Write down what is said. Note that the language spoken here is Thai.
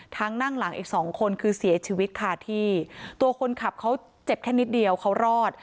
นั่งหลังอีกสองคนคือเสียชีวิตค่ะที่ตัวคนขับเขาเจ็บแค่นิดเดียวเขารอด